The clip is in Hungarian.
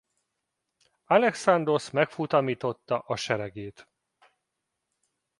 Alexandrosz megfutamította a seregét.